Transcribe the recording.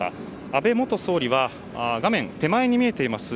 安倍元総理は画面手前に見えています